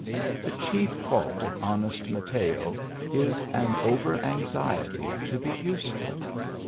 The chief fault of honest Mateo is an over anxiety to be useful.